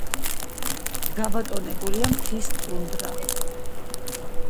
გაბატონებულია მთის ტუნდრა.